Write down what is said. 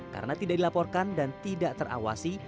karena tidak dilaporkan dan tidak terawasi